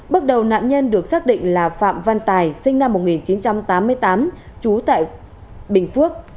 bước đầu nạn nhân được xác định là phạm văn tài sinh năm một nghìn chín trăm tám mươi tám trú tại bình phước